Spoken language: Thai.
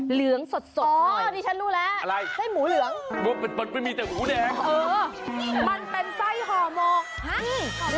เหรืองสดตอนนี้เช่นรู้แหละอะไรหมูได้